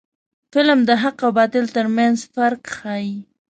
فلم د حق او باطل ترمنځ فرق ښيي